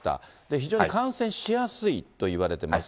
非常に感染しやすいと言われてます。